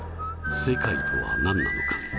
世界とは何なのか。